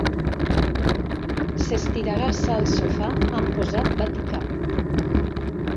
S'estiragassa al sofà amb posat vaticà.